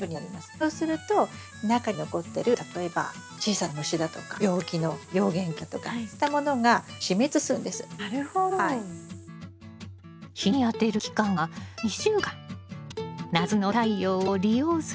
そうすると中に残ってる例えば小さな虫だとか病気の病原菌だとかそういったものが死滅するんです。